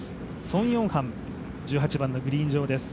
ソン・ヨンハン、１８番のグリーン上です。